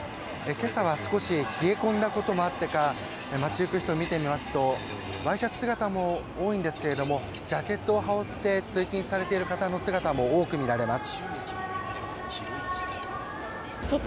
今朝は少し冷え込んだこともあってか街行く人を見てみますとワイシャツ姿も多いんですがジャケットを羽織って通勤されている方の姿も多く見られます。